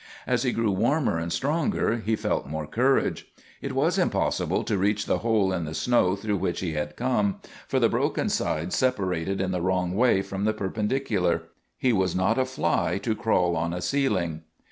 As he grew warmer and stronger, he felt more courage. It was impossible to reach the hole in the snow through which he had come, for the broken sides separated in the wrong way from the perpendicular. He was not a fly to crawl on a ceiling.